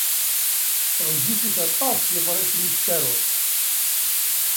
Ɣezzifit aṭas yeḍrisen i tettaruḍ.